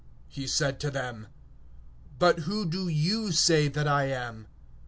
(15)He says to them: But who do ye say that I am?